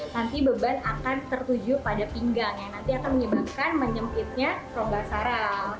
nanti beban akan tertuju pada pinggang yang nanti akan menyebabkan menyempitnya romba sarang